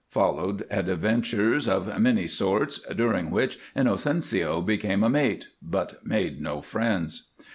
Followed adventures of many sorts, during which Inocencio became a mate, but made no friends.